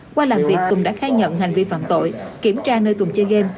qua làm việc tùng đã khai nhận hành vi phạm tội kiểm tra nơi tuần chơi game